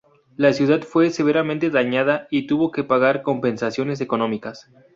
La ciudad fue severamente dañada y tuvo que pagar compensaciones económicas.